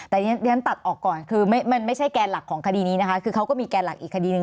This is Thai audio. แต่เรียนตัดออกก่อนคือมันไม่ใช่แกนหลักของคดีนี้นะคะคือเขาก็มีแกนหลักอีกคดีหนึ่ง